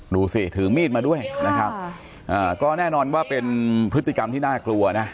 ถือมีดมาด้วยนะครับก็แน่นอนว่าเป็นพฤติกรรมที่น่ากลัวนะ